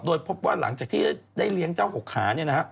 โดยพบว่าหลังจากที่ได้เลี้ยงเจ้า๖ขา